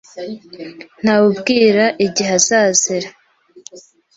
Ntawubwira igihe azazira